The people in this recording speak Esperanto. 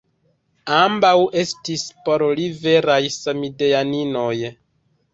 Ambaŭ estis por li veraj samideaninoj.